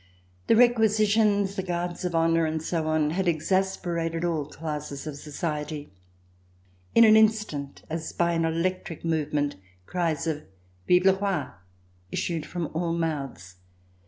The requisitions, the Guards of Honor and so on had exasperated all classes of society. In an Instant, as by an electric movement, cries of "Vive le Rol!" issued from all mouths.